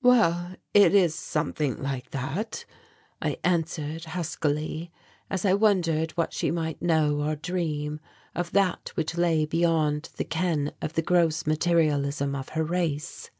"Well, it is something like that," I answered huskily, as I wondered what she might know or dream of that which lay beyond the ken of the gross materialism of her race.